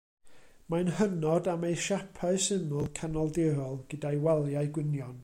Mae'n hynod am ei siapau syml, Canoldirol, gyda'i waliau gwynion.